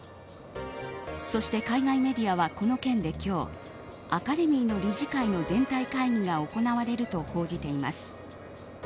そして海外メディアはこの件で今日アカデミーの理事会の全体会議が行われると報じています。